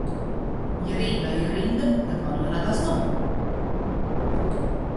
Ja Rīgā ir rinda, tad Madonā tās nav!